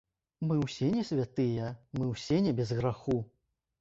Мы ўсе не святыя, мы ўсё не без граху.